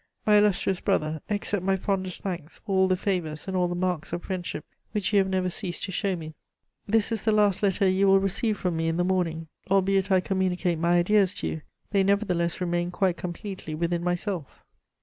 My illustrious brother, accept my fondest thanks for all the favours and all the marks of friendship which you have never ceased to show me. This is the last letter you will receive from me in the morning. Albeit I communicate my ideas to you, they nevertheless remain quite completely within myself."